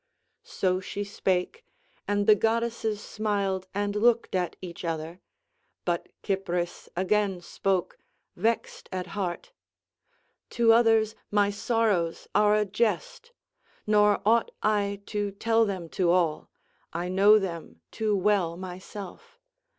So she spake, and the goddesses smiled and looked at each other. But Cypris again spoke, vexed at heart: "To others my sorrows are a jest; nor ought I to tell them to all; I know them too well myself.